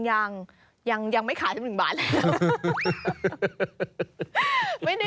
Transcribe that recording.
ยังก็ยังยังไม่ขายสัก๑๑บาทแหละ